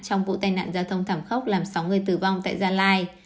trong vụ tai nạn giao thông thảm khốc làm sáu người tử vong tại gia lai